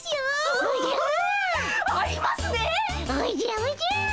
おじゃおじゃ！